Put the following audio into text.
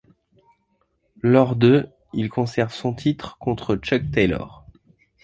Lors de ', il conserve son titre contre Chuck Taylor.